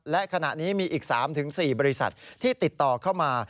และขณะนี้มีอีก๓๔บริษัทที่ติดต่อเข้ามา